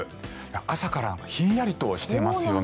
朝からひんやりとしていますよね。